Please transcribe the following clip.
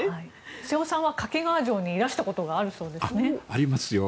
瀬尾さんは掛川城にいらしたことがあるそうですね。ありますよ。